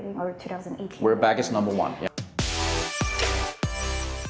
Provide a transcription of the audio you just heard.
kita kembali ke nomor satu